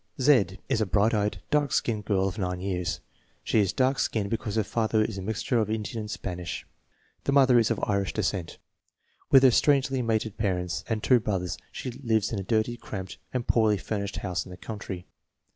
Z is a bright eyed, dark skinned girl of 9 years. She is dark skinned because her father is a mixture of Indian and Spanish. The mother is of Irish descent. With her strangely mated parents and two brothers she lives in a dirty, cramped, and poorly furnished house in the country.